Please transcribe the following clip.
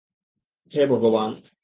হে, ভগবান।